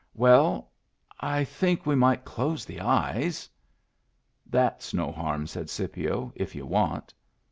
" Well — I think we might close the eyes." " That's no harm," said Scipio, " if you want."